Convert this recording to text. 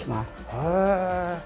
へえ。